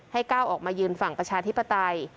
ก้าวออกมายืนฝั่งประชาธิปไตย